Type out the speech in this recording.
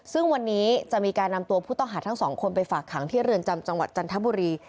ซึ่งวันนี้จะมีการนำตัวผู้ต้องหาทั้งสองคนไปฝากขังที่เรือนจำจังหวัดจันทบุรี